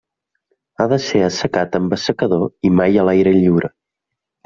Ha de ser assecat amb assecador i mai a l'aire lliure.